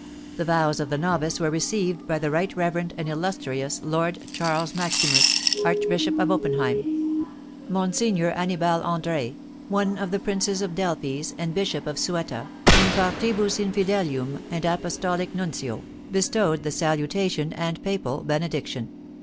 The vows of the novice were received by the right reverend and illustrious Lord Charles Maximus, Archbishop of Oppenheim; Monseigneur Annibal André, one of the princes of Delphes and Bishop of Ceuta, in partibus infidelium, and apostolic nuncio, bestowed the salutation and papal benediction.